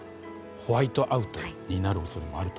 ホワイトアウトになる恐れもあると。